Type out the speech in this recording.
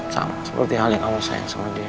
sama seperti hal yang kamu sayang sama dia